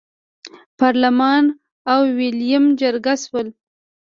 پارلمان او ویلیم جرګه شول.